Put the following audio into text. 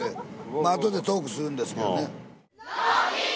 まああとでトークするんですけどね。